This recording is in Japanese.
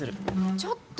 ちょっと。